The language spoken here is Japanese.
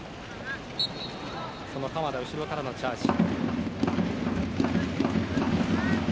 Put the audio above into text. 鎌田、後ろからのチャージ。